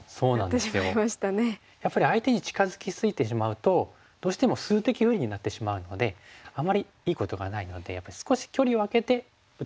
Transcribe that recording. やっぱり相手に近づき過ぎてしまうとどうしても数的不利になってしまうのであまりいいことがないのでやっぱり少し距離を空けて打つといいと思います。